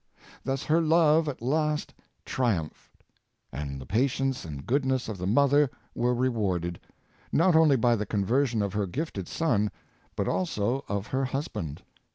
Thus her love at last triumphed, and the patience and goodness of the mother were rewarded, not only by the conversion of her gifted son, but also of her husband.